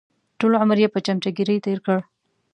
ټول عمر یې په چمچهګیري تېر کړ.